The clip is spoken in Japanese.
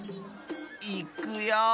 いくよ。